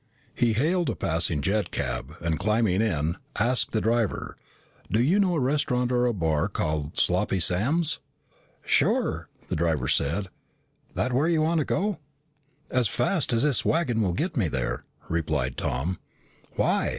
He hailed a passing jet cab, and climbing in, asked the driver, "Do you know a restaurant or a bar called Sloppy Sam's?" "Sure," said the driver. "That where you want to go?" "As fast as this wagon will get me there," replied Tom. "Why?"